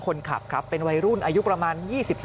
คนขับครับเป็นวัยรุ่นอายุประมาณ๒๓